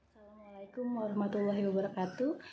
assalamualaikum warahmatullahi wabarakatuh